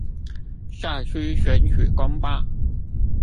再出選舉公報